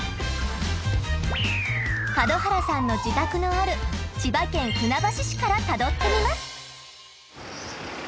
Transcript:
門原さんの自宅のある千葉県船橋市からたどってみます。